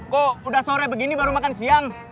kok sudah sore begini baru makan siang